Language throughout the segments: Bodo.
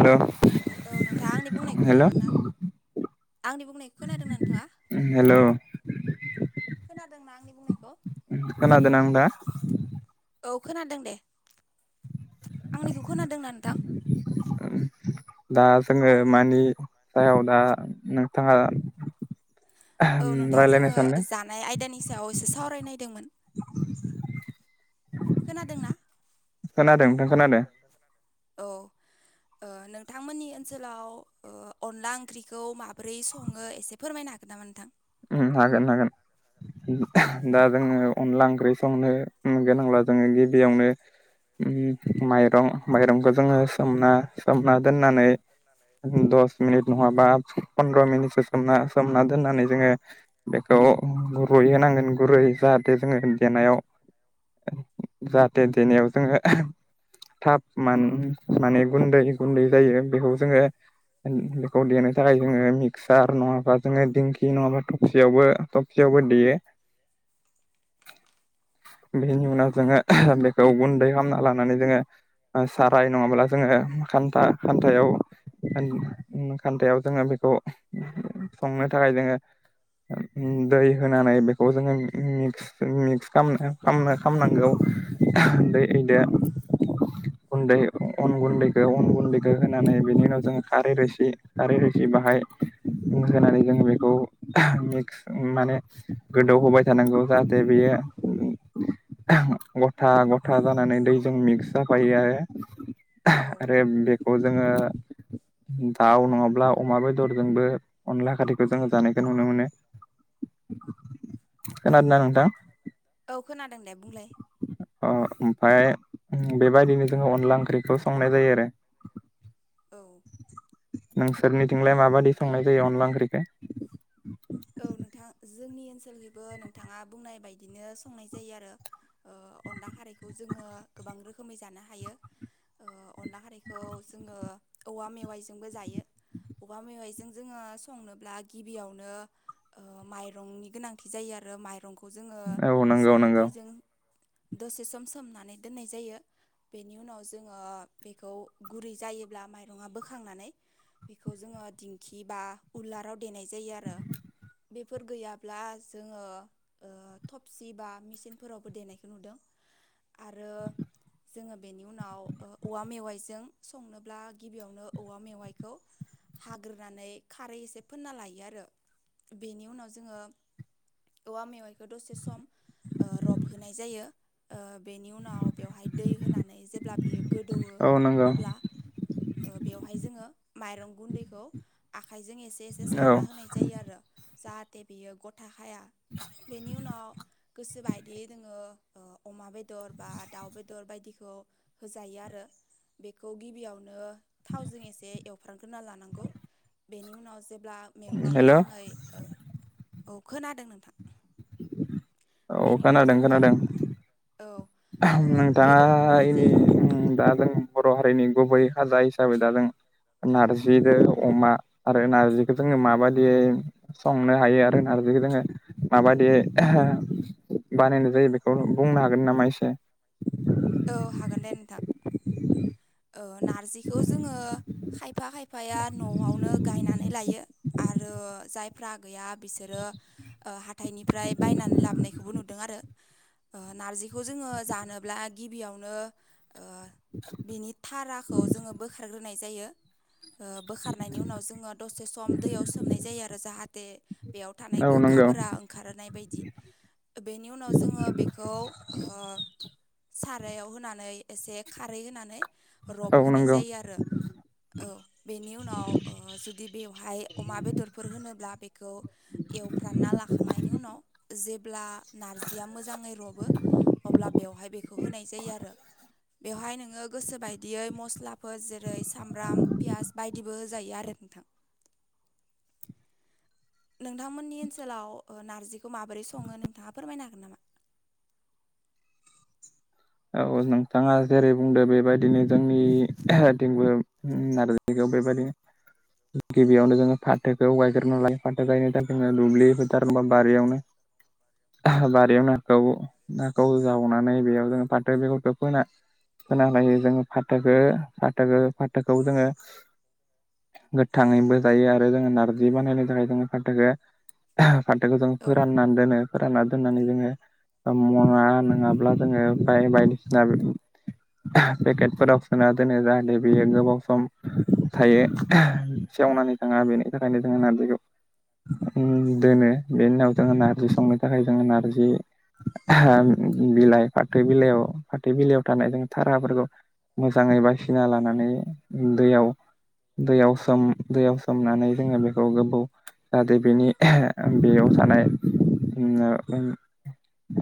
हेल'। औ नोंथाङा आंनि बुंनायखौ हेल' खोनादोंना? आंनि बुंनाय खोनादोंना नोंथाङा हेल' खोनादोंना आंनि। बुंनायखौ खोनादों ना नोंथाङा? औ खोनादों दे आंनिखौ खोनादोंना नोंथां। दा जोङो मानि सायाव दा नोंथाङा। औ नोंथां रायलायनो जोङो सानदों? जानाय आयदानि सायाव एसे सावरायनायदोंमोन। खोनादोंना? खोनादों नोंथां खोनादों। औ। ओ नोंथांमोननि ओनसोलाव ओ अनला ओंख्रिखौ माबोरै सङो एसे फोरमायना। हागोन नामा नोंथां। उम हागोन हागोन दा जोङो। अनला ओंख्रि संनो गोनांब्ला जोङो गिबियावनो। उम माइरं माइरंखौ जोङो सोमना सोमना दोननानै। दस मिनिट नङाबा फन्द्र मिनिटसो सोमना सोमना दोननानै जोङो। बेखौ गुरै होनांगोन गुरैयै जाहाथे जोङो देनायाव। जाहाथे देनायाव जोङो। थाब मान माने गुन्दै गुन्दै जायो बेखौ जोङो। बेखौ देनो थाखाय जोङो मिक्सार नङाबा जोङो दिंखि नङाबा। टफसियावबो टफसियावबो देयो। बेनि उनाव जोङो बेखौ गुन्दै खालामना लानानै जोङो। साराय नङाब्ला जोङो खान्था खान्थायाव खान खान्थायाव जोङो बे। खौ संनो थाखाय जोङो ओ दै होन नानै बेखौ जोङो मि मिक्स मिक्स खाम खाम खामनांगौ। उन्दै दो उन्दै अन गुन्दैखो अन गुनन्दैखौ होनानै बे उनाव जोङो। खारै रोसि खारै रोसि बाहाय होनानै जोंङो बेखौ। मिक्स माने गोदौ होबाय थानांगौ जाहाथे बेयो उम। गथा गथा जानानै दैजों मिक्स जाफायो। औ आरो बेखौ जोङो। दाउ नङाब्ला अमा बेदरजोंबो अनला खारैखौ जों जानायख बे नुनो मोनो। औ खोनादोंना नोंथां औ खोनादोंले बुंलाय। अ ओमफ्राय उम बेबायदिनो जोङो अनला ओंख्रिखौ संनाय जायो आरो। औ। नोंसोरनिथिंलाय माबायदि संनाय जायो अनला ओंख्रिखो। औ नोंथां जोंनि ओनसोलनिबो नोंथाङा बुंनाय बायदिनो संनाय जायो आरो। ओ अनला खारैखौ जोङो गोबां रोखोमै जानो हायो। ओ अनला खारैखौ जोङो औवा मेवाइजोंबो जायो। अबेबा मेवाइजों जोङो संनोब्ला गिबियावनो। ओ माइरंनि गोनांथि जायो आरो माइरं। खौ जोङो औ नंगौ सोम नंगौ दैजों दसे सम सोमनानै दोननाय जायो। बेनि उनाव जोङो बेखौ गुरै जायोब्ला माइरङा बोखांनानै। बेखौ जोङो दिंखि बा उलाराव देनाय जायो आरो। बेफोर गैयाब्ला जोङो ओ थबसि बा मिसिनफोरावबो देनायखौ नुदों। आरो जोङो बेनि उनाव औवा मेवाइजों संनोब्ला गिबियावनो औवा मेवाइखौ। हाग्रोनानै खारै एसे फोनना लायो आरो बेनि उनाव जोङो औवा मेवाइखौ दसे सम ओ रब होनाय जायो ओ बेनि उनाव बेवहाय दै होनानै जेब्ला बियो गोदौवो औ नंगौ अब्ला ओ बेवहाय जोङो माइरं गुन्दैखौ आखाइजों एसे एसे औ सारना होनाय जायो आरो। जाहाथे बियो ग'थाखाया बेनि उनाव गोसोबायदि जोङो ओ अमा बेदर बा दाउ बेदर बायदिखौ होजायो आरो। बेखौ गिबियावनो थावजों एसे एवफ्रामग्रोना लानांगौ बेनि उनाव जेब्ला मैगङा हेल' मोजाङै औ खोनादों नोंथां औ बेनि उनाव खोनादों जोङो खोनादों। औ ओ नोंथाङा बेदरखौ होनाय एनि जायो आरो दा जों बर' हारिनि गुबै हाजा हिसाबै दा जों नारजिजों अमा आरो नार्जिखौ जोङो माबायदियै संनो हायो आरो नार बेखो जोङो माबायदि बानायनाय जायो बेखौ बुंनो हागोन नामा एसेजी औ हागोन [unintelligible] ओ नारजिखौ जोङो खायफा खायफाया न'आवनो गायनानै लायो। आरो जायफ्रा गैया बिसोरो ओ हाथाइनिफ्राय बायनानै लाबनायखौबो नुदों आरो। ओ नारजिखौ जोङो जानोब्ला। गिबियावनो ओ बिनि थाराखौ जोङो बोखारग्रोनाय जायो। ओ बोखारनायनि उनाव जोङो दसे सम दैयाव सोमनाय जायो आरो जाहाथे बेयाव थानाय औ नंगौ गोखाफोरा ओंखारोनाय बायदि बेनि उनाव जोङो बेखौ ओ सारायाव होनानै एसे खारै होनानै औ रब होनाय नंगौ जायो आरो। औ बेनि उनाव ओ जुदि बेवहाय अमा बेदरफोर होनोब्ला बेखौ। एवफ्रामना लाखांनायनि उनाव जेब ब्ला नारजिया मोजाङै रबो अब्ला बेवहाय बेखौ होनाय जायो आरो। बेवहाय नोङो गोसो बायदियै मस्लाफोर जेरै सामब्राम फियास बायदिबो होजायो आरो नोंथां। [unintelligible] नोंथांमोननि ओनसोलाव ओ नारजिखौ माबोरै सङो नोंथाङा फोरमायनो हागोन नामा? [unintelligible] औ नोंथाङा जेरै बुंदो बेबायदिनो जोंनिथिंबो उम नारजिखौ बेेबादिनो गिबियावनो जोङो फाथोखौ गायग्रोनो लायो फाथो गायनो थाखाय जोङो दुब्लि होथारबा बारियावनो बारियाव नाखौ नाखौ जावनानै बेयाव जों फाथो बेगरखौ फोना फोना लायो जोङो फाथोखो फाथोखो फाथोखौ जोङो। गोथाङैबो जायो आरो जोङो नारजि बानायनो थाखाय जोङो फाथोखो फाथोखौ जों औ फोराननानै दोनो फोरानना दोननानै जोङो म'ना नङाब्ला जोङो बाय बायदिसिना बे पेकेटफोराव सोना दोनो जाहाथे बियो गोबाव सम थायो। सेवनानै थाङा बेनि थाखायनो जोङो नारजिखौ उम दोनो बे उनाव जोङो नारजि संनो थाखाय जोङो नारजि बिलाइ फाथो बिलाइयाव फाथो बिलाइयाव थानाय जों थाराफोरखौ मोजाङै बायसिना लानानै दैयाव दैयाव सोम दैयाव सोमनानै जोङो बेखौ गोबौ जाहाथे बेनि बेयाव थानाय। उम ओ उम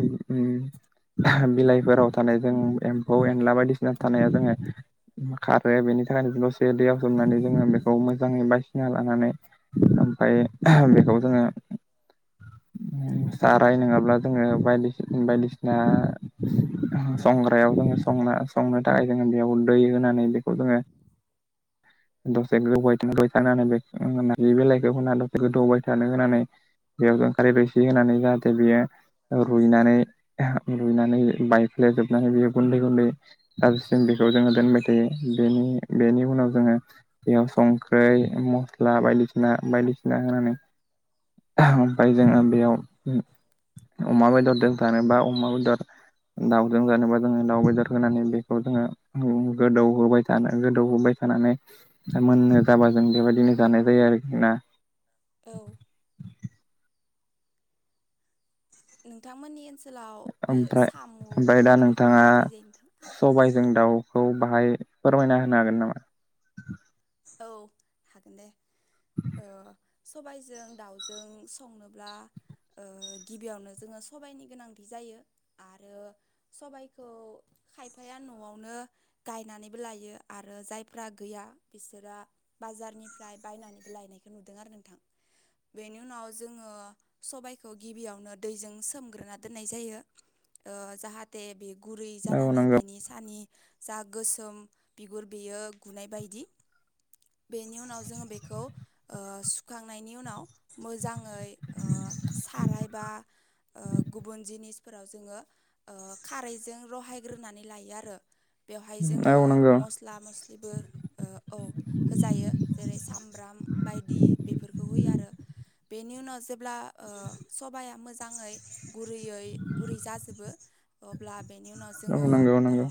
उ उम उम बिलाइफोराव थानाय जों एम्फौ एनला बायदिसिना थानाया जोङो खा ओमफ्राय बेनि थाखायनो दसे दैयाव सोमनानै जोङो बेखौ मोजाङै बासिना लानानै। ओमफ्राय बेखौ जोङो। साराय नङाब्ला जोङो बायदिसि बायदिसिना। [inaudible] संग्रायाव जोङो संना संनो थाखाय जोङो बेयाव दै होनानै बेखौ जोङो। [inaudible] दसे गोबावै थाबाय थानो होनानै बे बेलाइखौ होना दसे गोदौबाय थानो होनानै बेयाव जा खारै रोसि होनानै जाहाथे बियो रुइनानै रुइनानै बायफ्ले जोबनानै बेयो गुन्दै गुन्दै गाज्रिसिम बेखौ जोङो दोनबाय थायो बेनि बेनि उनाव जोङो बेयाव संख्रै मस्ला बायदिसिना बायदिसिना होनानै। ओमफाय जोङो बेयाव अमा बेदरजों जानोबा अमा बेदर [inaudible] दाउजों जानोबा जोङो दाउ बेदर होनानै बेखौ जोङो गोदौ होबाय थानो गोदौ होबाय थाना। माने मोननो जाबा जों बेबायदिनो जानाय जायो आरोखि ना। औ नोंथांमोननि ओनसोल। ओमफ्राय ओमफ्राय दा ओंख्रिखौ नोंथाङा माबोरै जायो नोंथां सबाइजों दाउ। खौ बाहाय फोरमायना होनो हागोन नामा। औ हागोन दे। सबायजों दाउजों संनोब्ला। ओ गिबियावनो जोङो सबाइनि गोनांथि जायो आरो सबायखौ। खायफाया न'आवनो गायनानैबो लायो आरो जायफ्रा गैया। बिसोरा बाजारनिफ्राय बायनानैबो लायनायखौ नुदों आरो नोंथां। बेनि उनाव जोङो सबायखौ गिबियावनो दैजों सोमग्रोना दोननाय जायो। ओ जाहाथे बि। गुरै औ जानानै नंगौ बेनि सानि जा गोसोम बिगुर बेयो गुनाय बायदि। बेनि उनाव जोङो बेखौ ओ सुखांनायनि उनाव मोजां। ओमफाय ओ सारायबा ओ। गुबुन जिनिसफोराव जोङो ओ खारैजों रहायग्रोनानै लायो आरो। बेवहाय जोङो औ नंगौ मस्ला मस्लिबो ओ। औ होजायो जेरै सामब्राम बायदि बेफोरखौ होयो आरो। बेनि उनाव। जेब्ला ओ सबाया मोजाङै गुरैयै गुरै जाजोबो अब्ला। बेनि उनाव औ जोङो नंगौ ओ नंगौ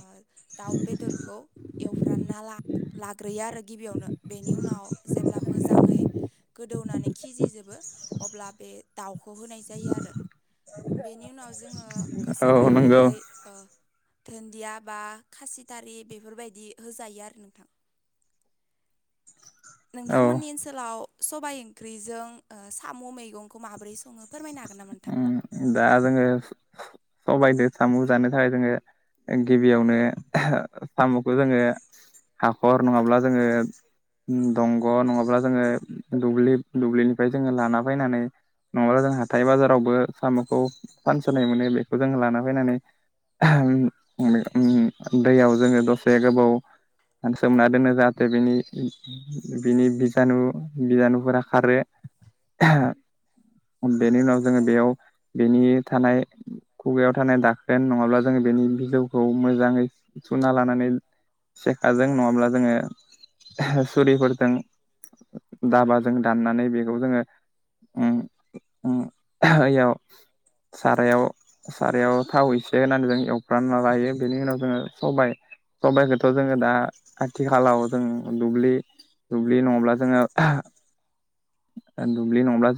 दाउ बेदरखौ एवफ्राना लाग गैया आरो गिबियावनो बेनि उनाव जेब्ला मोजाङै। दौनानै खिजि होजोबो अब्ला बे दाउखौ होनाय जायो आरो बिनि उनाव जों। जोङो गोसो औ नंगौ बायदियै ओ। दुन्दिया बा खासिथारि बेफोरबायदि होजायो आरो नोंथां। औ नोंथांमोननि ओनसोलाव। सबाय ओंख्रिजों साम' मैगंखौ माबोरै सङो फोरमायनो हागोन नामा नोंथां। दा जोङो सबायदो सामु जानो थाखाय जोङो। गिबियावनो सामुखौ जोङो हाखर नङाब्ला जोङो। दंग' नङाब्ला जोङो दुब्लिनिफ्राय जोङो लाना फैनानै। नङाब्ला जों हाथाय बाजारावबो साम'खौ फानस'नाय मोनो बेखौ जों लाना फैनानै। उम दैयाव जोङो दसे गोबाव। सोमना दोनो जाहाथे बिनि बिनि बिजानु बिजानुफोरा खारो। बेनि उनाव जोङो औ बेयाव बेनि थानाय। खुगायाव थानाय दाखोन नङाब्ला जोङो बेनि बिजौखौ मोजाङै सुना लानानै। सेखाजों नङाब्ला जोङो सुरिफोरजों। दाबाजों दाननानै बेखौ जोङो। ओम उम याव [inaudible] सारायाव सारायाव थाव एसे होनानै जों एवफ्रनानै लायो बेनि उनाव जोङो सबायाइ सबायाइखौथ' जोङो दा आथिखालाव जों दुब्लि दुब्लि नङाब्ला जोङो दुब्लि नङाब्ला ज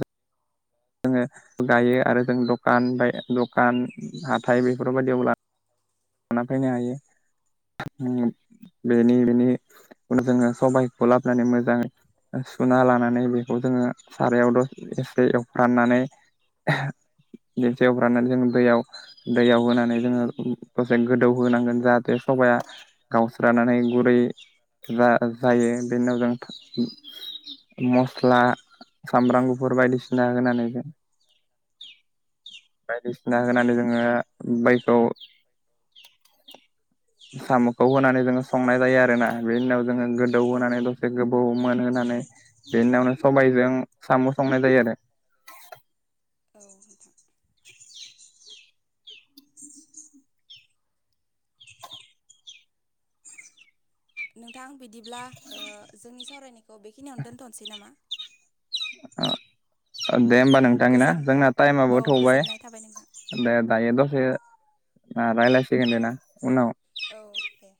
जोङो गायो आरो जों दखान बाय दखान हाथाइ बेफोरबायदि अब्ला लाना फैनो हायो। बेनि बेनि उनाव जोङो सबायखौ लाबोनानै मोजाङै सुना लानानै बेखौ जोङो सारायाव दस एसे एवफ्राननानै एवफ्रनानै जों दैयाव दैयाव होनानै जोङो। दसे गोदौहांगोन जाहाथे सबाया गावस्रानानै गुरै जा जायो बेनि उनाव जों मस्ला औ सामब्राम गुफुर बायदिसिना होनानैबो बायदिसिना होनानै जोङो बायखौ साम'खौ होनानै जोङो संनाय जायो आरोना बेनि उनाव जोङो औ गोदौहोनानै दसे गोबाव मोनहोनानै बेनिनावनो सबायजों साम' संनाय जायो आरो [inaudible] नोंथां बिदिब्ला जोंनि ओ सावरायनायखौ बेखिनियावनो दोनथ'नोसै नामा औ दे होमबा औ नोंथां ना गोजोन जोंना टाइमाबो औ थौबाय गोजोननाय थाबाय नोंथां दे दायो दसे ओ रायलायसिगोन दे ना उनाव औ दे